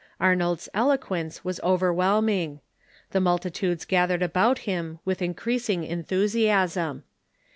Arnold's eloquence was overwhelming. The multitudes gathered about him with increasing enthusi asm.